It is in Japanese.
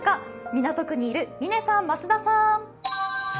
港区にいる嶺さん、増田さん。